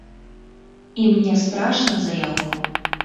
І мне страшна за яго.